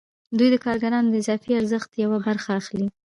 دوی د کارګرانو د اضافي ارزښت یوه برخه اخلي